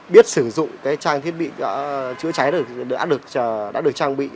biết sử dụng trang thiết bị chữa cháy đã được trang bị